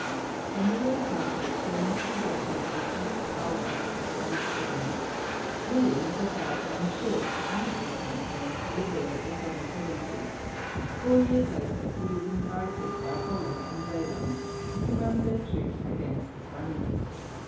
When the Low Countries came into possession of the Duke of Alva, the Spanish governor, William set out on a short but useless campaign to liberate the southern provinces. Four years later he was invited by Holland and Zealand to command their troops against the Spaniards.